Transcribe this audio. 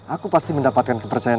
aku pasti mendapatkan kepercayaan